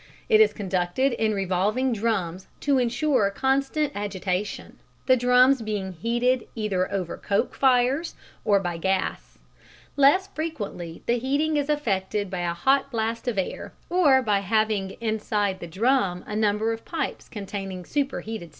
It is conducted in revolving drums to ensure constant agitation, the drums being heated either over coke fires or by gas. Less frequently the heating is effected by a hot blast of air or by having inside the drum a number of pipes containing super heated steam.